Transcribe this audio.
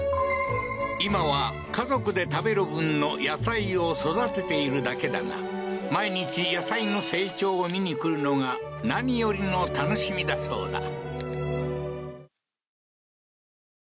今は家族で食べる分の野菜を育てているだけだが毎日野菜の成長を見にくるのが何よりの楽しみだそうだ